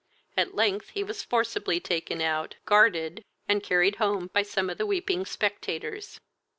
At length, he was forcibly taken out, guarded, and carried home by some of the weeping spectators.